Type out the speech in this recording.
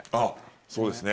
そうですね。